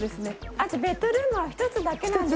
あとベッドルームは１つだけなんですか？